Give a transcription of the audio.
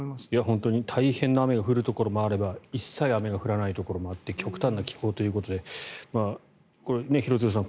本当に大変な雨が降るところもあれば一切雨が降らないところもあって極端な気候ということで廣津留さん